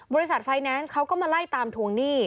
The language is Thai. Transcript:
บริษัทไฟแนนซ์เขาก็มาไล่ตามทวงหนี้